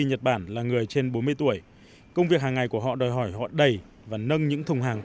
nhật bản là người trên bốn mươi tuổi công việc hàng ngày của họ đòi hỏi họ đầy và nâng những thùng hàng